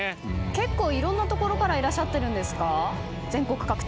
結構いろんなところからいらっしゃってるんですか？